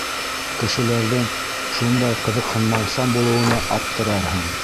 Кешеләрҙең шундай ҡыҙыҡһынмаусан булыуына аптырарһың.